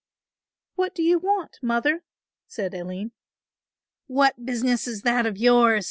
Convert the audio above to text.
"What do you want, mother?" said Aline. "What business is that of yours?"